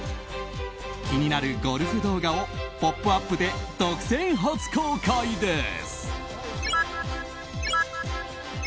気になるゴルフ動画を「ポップＵＰ！」で独占初公開です。